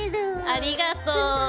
ありがとう！